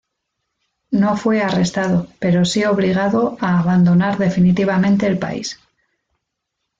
No fue arrestado, pero sí obligado a abandonar definitivamente el país.